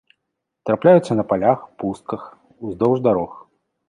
Трапляюцца на палях, пустках, уздоўж дарог.